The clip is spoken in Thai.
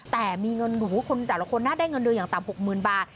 แต่มีเงินคนแต่ละคนนะได้เงินเดือนอย่างต่ำ๖๐๐๐บาท